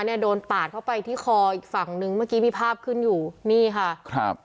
เนี่ยโดนปาดเข้าไปที่คออีกฝั่งนึงเมื่อกี้มีภาพขึ้นอยู่นี่ค่ะครับ